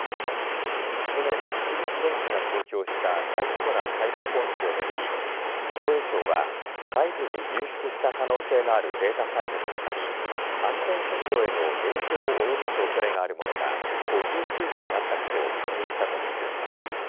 去年、三菱電機が公表した大規模なサイバー攻撃をめぐり防衛省は外部に流出した可能性のあるデータファイルの中に安全保障への影響を及ぼすおそれがあるものが５９件あったことを確認したと発表しました。